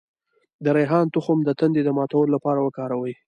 د ریحان تخم د تندې د ماتولو لپاره وکاروئ